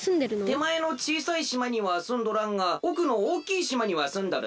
てまえのちいさいしまにはすんどらんがおくのおおきいしまにはすんどるど。